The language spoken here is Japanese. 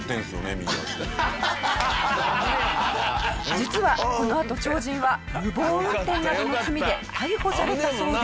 実はこのあと超人は無謀運転などの罪で逮捕されたそうです。